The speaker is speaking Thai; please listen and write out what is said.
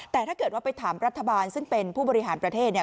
แต่ถ้าเกิดว่าไปถามรัฐบาลซึ่งเป็นผู้บริหารประเทศเนี่ย